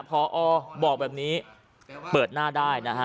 พอบอกแบบนี้เปิดหน้าได้นะฮะ